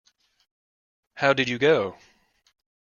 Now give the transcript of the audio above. How did you go?